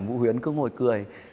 vũ huyến cứ ngồi cười